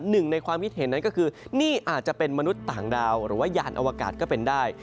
หนึ่งในความคิดเห็นนั้นก็คือนี่อาจจะเป็นมนุษย์ต่างดาวหรือว่ายานอวกาศก็เป็นได้